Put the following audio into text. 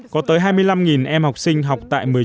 có tới hai mươi năm em học sinh học tại nepal